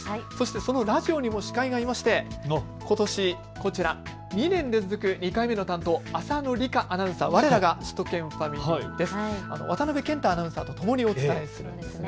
そのラジオにも司会がいましてことし、こちら、２年連続２回目の担当、浅野里香アナウンサー、われらが首都圏ファミリーです。